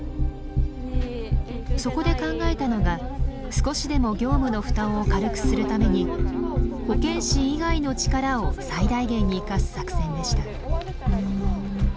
そこで考えたのが少しでも業務の負担を軽くするために保健師以外の力を最大限に生かす作戦でした。